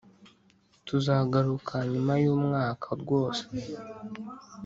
tuzagaruka nyuma y’umwaka rwose.